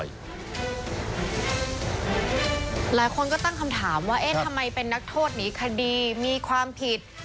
หลายคนก็ตั้งคำถามว่าเอ๊ะทำไมเป็นนักโทษหนีคดีมีความผิด